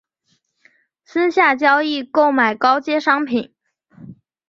私下交易购买高阶商品